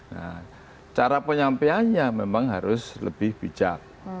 nah cara penyampaiannya memang harus lebih bijak